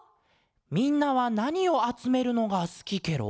みんなはなにをあつめるのがすきケロ？